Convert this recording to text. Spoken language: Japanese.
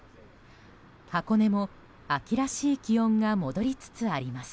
箱根も秋らしい気温が戻りつつあります。